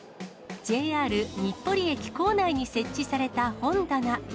ＪＲ日暮里駅構内に設置された本棚。